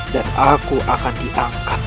dan aku akan diangkat